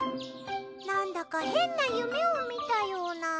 なんだか変な夢を見たような。